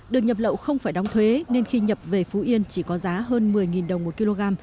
đường nhập lậu không phải đóng thuế nên khi nhập về phú yên chỉ có giá hơn một mươi đồng một kg